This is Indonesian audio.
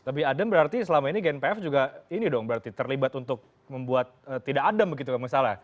lebih adem berarti selama ini gnpf juga ini dong berarti terlibat untuk membuat tidak adem begitu kalau misalnya